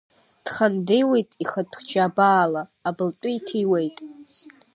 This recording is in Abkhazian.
Дхандеиуеит ихатә џьабаала, абылтәы иҭиуеит.